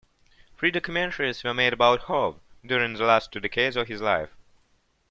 Three documentaries were made about Howe during the last two decades of his life.